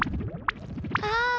ああ。